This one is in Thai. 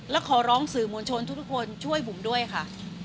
และขอร้องสื่อมวลชนทุกคนช่วยบุ๋มด้วยค่ะ